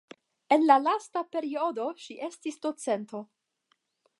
En la lasta periodo ŝi estis docento.